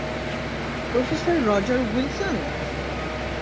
Professor Roger Wilson!